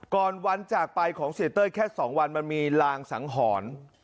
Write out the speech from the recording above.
ก่อนวันจากไปของเสียเต้ยแค่๒วันมันมีลางสังหรณ์